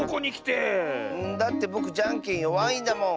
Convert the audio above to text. だってぼくじゃんけんよわいんだもん。